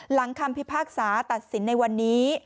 คำพิพากษาตัดสินในวันนี้